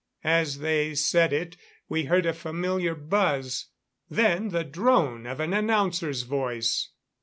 As they said it, we heard a familiar buzz; then the drone of an announcer's voice.